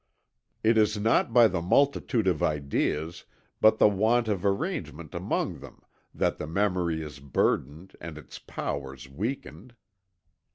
It is not by the multitude of ideas, but the want of arrangement among them, that the memory is burdened and its powers weakened."